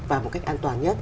và một cách an toàn nhất